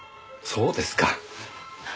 そうですか。